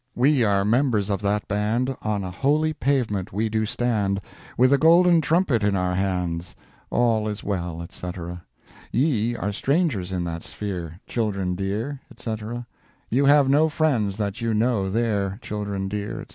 We are members of that band, On a holy pavement we do stand, With a golden trumpet in our hands, All is well, &c. Ye are strangers in that sphere, Children dear, &c. You have no friends that you know there Children dear, &c.